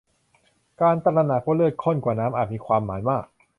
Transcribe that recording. การตระหนักว่าเลือดข้นกว่าน้ำอาจมีความหมายมาก